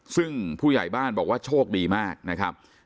ซึ่งผู้ใหญ่บ้านบอกว่าโชคดีมากนะครับ